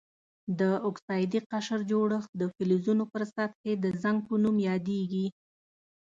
د اکسایدي قشر جوړښت د فلزونو پر سطحې د زنګ په نوم یادیږي.